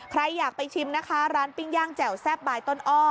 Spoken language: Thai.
ใครอยากไปชิมนะคะร้านปิ้งย่างแจ่วแซ่บบายต้นอ้อ